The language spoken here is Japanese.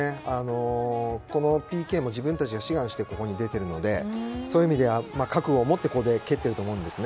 このＰＫも自分たちが志願してここに出ているのでそういう意味では覚悟をもって、ここで蹴っていると思うんですね。